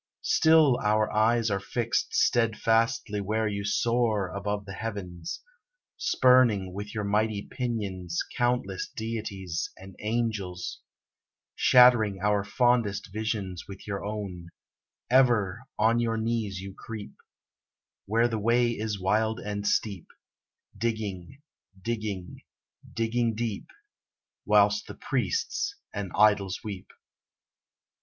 Still our eyes are fixed steadfastly Where you soar above the heavens, Spurning with your mighty pinions Countless deities and angels, Shattering our fondest visions With your own: Ever on your knees you creep, Where the way is wild and steep. Digging, digging, digging deep, Whilst the priests and idols weep.